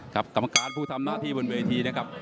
กรรมการผู้ทำหน้าที่บนเวทีนะครับ